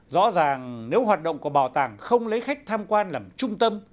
rõ ràng nếu hoạt động của bảo tàng không lấy khách tham quan làm trung tâm